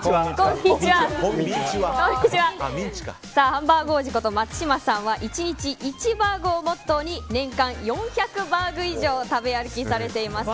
ハンバーグ王子こと松島さんは１日１バーグをモットーに年間４００バーグ以上食べ歩きされています。